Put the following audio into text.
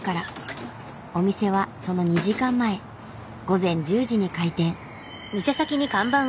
お店はその２時間前午前１０時に開店。